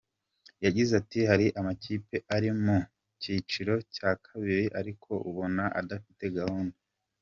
Yagize ati “Hari amakipe ari mu cyiciro cya kabiri ariko ubona adafite gahunda.